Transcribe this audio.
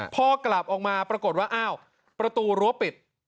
พอกลับออกมาปรากฏว่าอ้าวประตูรั้วปิด